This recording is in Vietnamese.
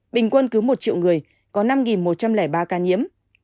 bình quân cứ một triệu người có năm một trăm linh ba ca nhiễm